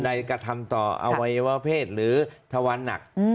ใดกระทำต่ออวัยวะเพศหรือทวันหนัก